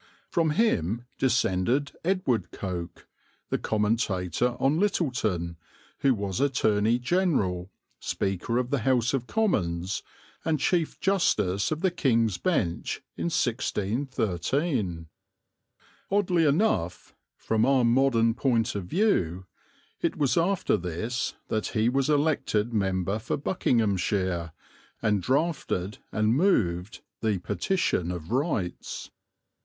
From him descended Edward Coke, the commentator on Littleton, who was Attorney General, Speaker of the House of Commons, and Chief Justice of the King's Bench in 1613. Oddly enough, from our modern point of view, it was after this that he was elected member for Buckinghamshire, and drafted and moved the Petition of Rights.